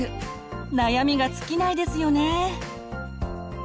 悩みが尽きないですよね。